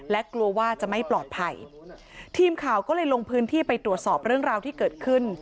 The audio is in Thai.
และกลัวว่าจะไม่ปลอดภัยทีมข่าวก็เลยลงพื้นที่ไปตรวจสอบเรื่องราวที่เกิดขึ้น